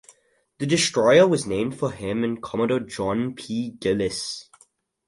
The destroyer was named for him and Commodore John P. Gillis.